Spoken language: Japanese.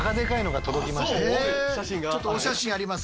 最近ちょっとお写真あります。